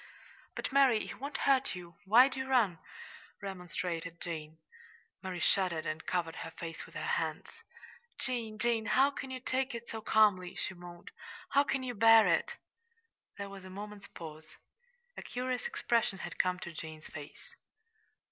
"But, Mary, he won't hurt you. Why do you run?" remonstrated Jane. Mary shuddered and covered her face with her hands. "Jane, Jane, how can you take it so calmly!" she moaned. "How can you bear it?" There was a moment's pause. A curious expression had come to Jane's face.